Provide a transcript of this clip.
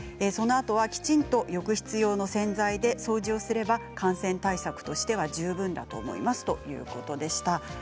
そのあとは、きちんと浴室用の洗剤で掃除をすれば感染対策としては十分だと思いますということでした。